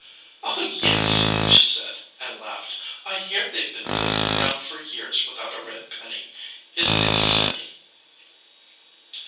"Oh, yes," she said, and laughed. "I hear they've been mooning around for years without a red penny. Isn't it silly?"